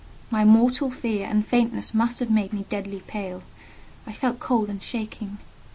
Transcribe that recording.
My mortal fear and faintness must have made me deadly pale. I felt cold and shaking.